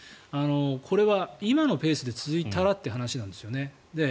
これは今のペースで続いたらという話なんですよね。